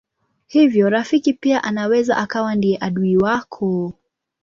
Hivyo rafiki pia anaweza akawa ndiye adui wako.